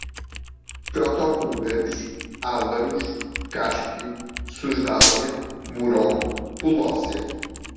Protobúlgaros, ávaros, Cáspio, Susdália, Murom, Polócia